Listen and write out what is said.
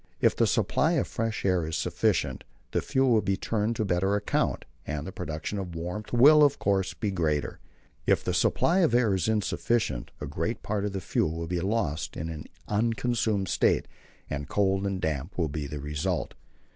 If the supply of fresh air is sufficient, the fuel will be turned to better account, and the production of warmth will, of course, be greater. If the supply of air is insufficient, a great part of the fuel will be lost in an unconsumed state, and cold and damp will be the result.